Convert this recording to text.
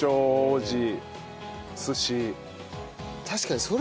「確かに。